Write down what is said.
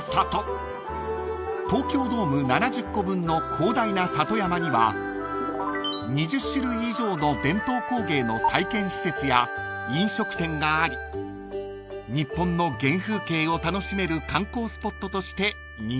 ［東京ドーム７０個分の広大な里山には２０種類以上の伝統工芸の体験施設や飲食店があり日本の原風景を楽しめる観光スポットとして人気なんです］